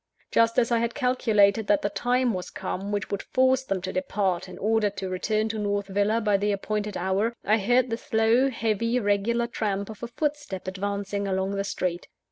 Just as I had calculated that the time was come which would force them to depart, in order to return to North Villa by the appointed hour, I heard the slow, heavy, regular tramp of a footstep advancing along the street.